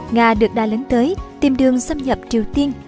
nga được đa lấn tới tìm đường xâm nhập triều tiên